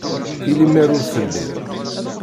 I lemmer ur telliḍ